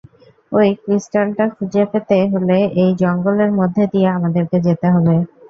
ঐ ক্রিস্টালটা খুঁজে পেতে হলে এই জঙ্গলের মধ্যে দিয়ে আমাদেরকে যেতে হবে।